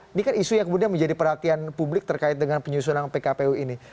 ini kan isu yang kemudian menjadi perhatian publik terkait dengan penyusunan pkpu ini